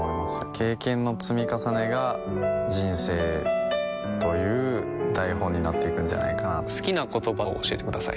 経験の積み重ねが人生という台本になっていくんじゃないかな好きな言葉を教えてください